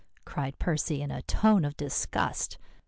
cried Percy in a tone of disgust.